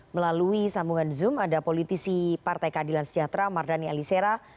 melalui sambungan zoom ada politisi partai keadilan sejahtera mardani alisera